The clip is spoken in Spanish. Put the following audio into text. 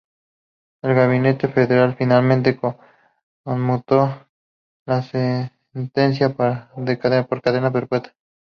El gabinete federal finalmente conmutó la sentencia por cadena perpetua.